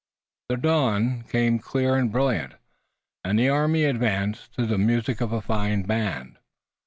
The dawn came clear and brilliant, and the army advanced, to the music of a fine band.